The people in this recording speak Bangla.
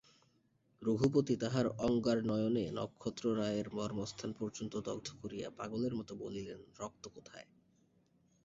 রঘুপতি তাঁহার অঙ্গারনয়নে নক্ষত্ররায়ের মর্মস্থান পর্যন্ত দগ্ধ করিয়া পাগলের মতো বলিলেন, রক্ত কোথায়?